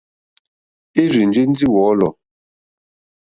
É rzènjé ndí wɔ̌lɔ̀.